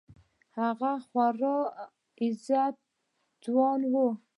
هغه خورا غيرتي ځوان و.